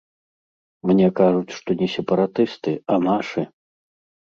Мне кажуць, што не сепаратысты, а нашы.